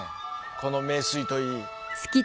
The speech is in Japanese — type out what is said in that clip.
この名水といい。